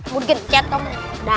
mungkin cat kamu